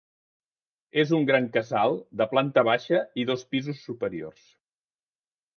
És un gran casal de planta baixa i dos pisos superiors.